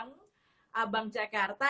yang juga abang jakarta